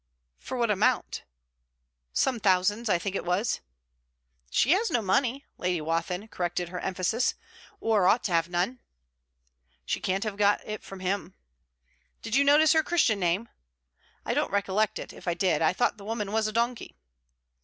'For what amount' 'Some thousands, I think it was.' 'She has no money': Lady Wathin corrected her emphasis: 'or ought to have none.' 'She can't have got it from him.' 'Did you notice her Christian name?' 'I don't recollect it, if I did. I thought the woman a donkey.'